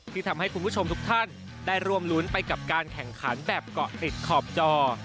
ที่ทำให้คุณผู้ชมทุกท่านได้ร่วมรุ้นไปกับการแข่งขันแบบเกาะติดขอบจอ